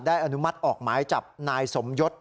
อนุมัติออกหมายจับนายสมยศ